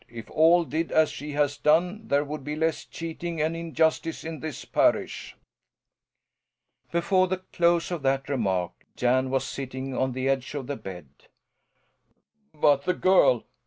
If all did as she has done there would be less cheating and injustice in this parish." Before the close of that remark Jan was sitting on the edge of the bed. "But the girl?